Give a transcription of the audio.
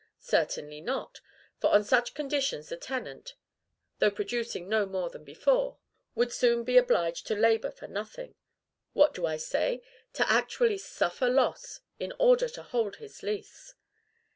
Certainly not; for on such conditions the tenant, though producing no more than before, would soon be obliged to labor for nothing, what do I say? to actually suffer loss in order to hold his lease.